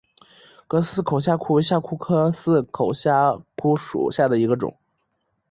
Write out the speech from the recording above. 葛氏似口虾蛄为虾蛄科似口虾蛄属下的一个种。